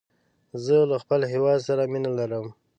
زه له خپل هیواد سره مینه لرم.